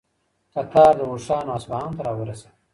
کتار د اوښانو اصفهان ته راورسېد.